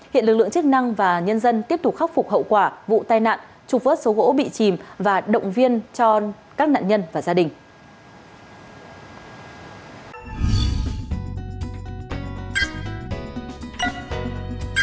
hiện lực lượng chức năng và nhân dân tiếp tục khắc phục hậu quả vụ tai nạn trục vớt số gỗ bị chìm và động viên cho các nạn nhân và gia đình